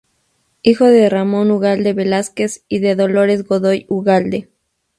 Hijo de Ramón Ugalde Velásquez y de Dolores Godoy Ugalde.